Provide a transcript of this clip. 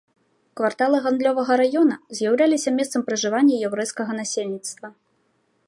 Кварталы гандлёвага раёна з'яўляліся месцам пражывання яўрэйскага насельніцтва.